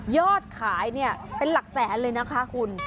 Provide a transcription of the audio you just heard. ยอดขายเนี่ยเป็นหลักแสนเลยนะคะคุณ